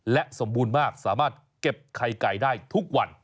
และสมบูรณ์มากสามารถเก็บไข่ไก่ได้ทุกวัน